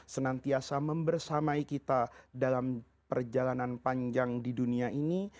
senantiasa membersamai kita dalam perjalanan panjang di dunia ini